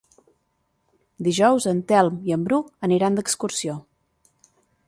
Dijous en Telm i en Bru aniran d'excursió.